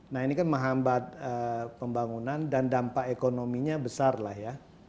nah ini kan menghambat pembangunan dan dampak ekonominya besar lah ya